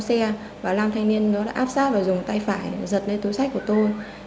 tôi đi vào xe và nam thanh niên nó đã áp sát và dùng tay phải giật lên túi sách của tôi